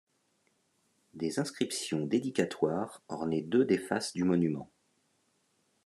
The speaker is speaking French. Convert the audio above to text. Des inscriptions dédicatoires ornaient deux des faces du monument.